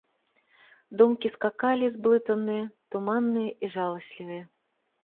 Думкі скакалі, зблытаныя, туманныя і жаласлівыя.